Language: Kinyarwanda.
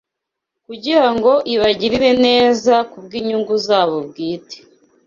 kugira ngo ibagirire neza kubw’inyungu zabo bwite